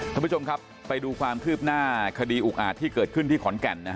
ท่านผู้ชมครับไปดูความคืบหน้าคดีอุกอาจที่เกิดขึ้นที่ขอนแก่น